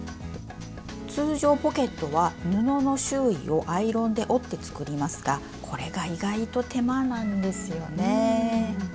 通常ポケットは布の周囲をアイロンで折って作りますがこれが意外と手間なんですよね。